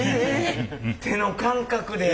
手の感覚で。